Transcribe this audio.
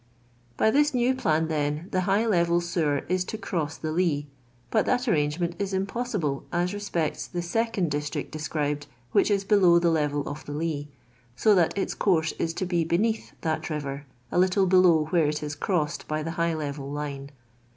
By this new plan, then, the high level sewer is to crons the ten, but that arrangement is impossible as respects the second district described, which is hdow the level of the Lea, so that its course is to be henecUh that river, a little below where it is crossed by the high level line.